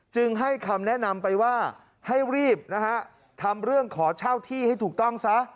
จึงให้คำแนะนำไปว่าให้รีบนะฮะทำเรื่องขอเช่าที่ให้ถูกต้องซะ